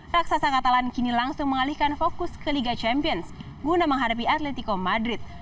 raksasa katalan kini langsung mengalihkan fokus ke liga champions guna menghadapi atletico madrid